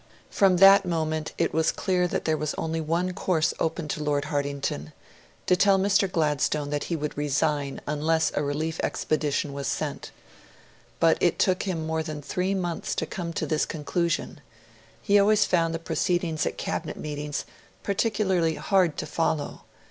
From that moment it was clear that there was only one course open to Lord Hartington to tell Mr. Gladstone that he would resign unless a relief expedition was sent. But it took him more than three months to come to this conclusion. He always found the proceedings at Cabinet meetings particularly hard to follow.